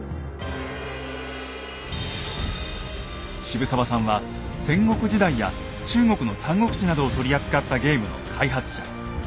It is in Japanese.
シブサワさんは戦国時代や中国の「三国志」などを取り扱ったゲームの開発者。